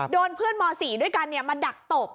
โดนเพื่อนม๔ด้วยกันมาดักตบ